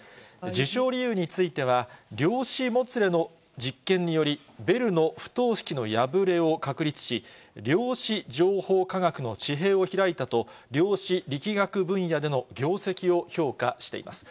授賞理由については、量子もつれの実験により、ベルの不等式の破れを確立し、量子情報科学の地平を開いたと、量子力学分野での業績を評価しています。